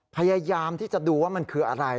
พยายามที่จะดูว่ามันคืออะไร